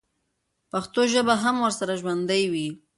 پښتو ژبه به هم ورسره ژوندۍ وي.